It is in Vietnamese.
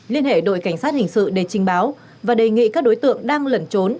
liên hệ đội cảnh sát hình sự để trình báo và đề nghị các đối tượng đang lẩn trốn